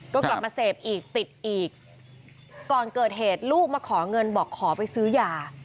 ก็กลับมาเสพอีกติดอีกก่อนเกิดเหตุลูกมาขอเงินบอกขอไปซื้อยา